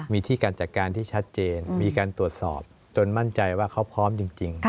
มีที่การจัดการที่ชัดเจนมีการตรวจสอบจนมั่นใจว่าเขาพร้อมจริง